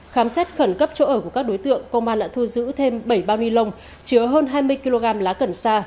khám xét khẩn cấp chỗ ở của các đối tượng công an đã thu giữ thêm bảy bao ni lông chứa hơn hai mươi kg lá cần sa